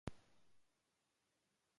шљива